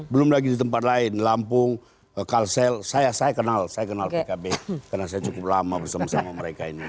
belum lagi di tempat lain lampung kalsel saya kenal saya kenal pkb karena saya cukup lama bersama sama mereka ini